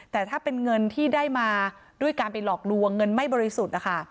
แต่ถ้าเป็นเงินที่ได้มาด้วยการไปหลอกลวงเงินไม่บริสุทธิ์นะคะ